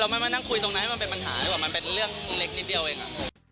ไม่มานั่งคุยตรงนั้นมันเป็นปัญหาหรือเปล่ามันเป็นเรื่องเล็กนิดเดียวเอง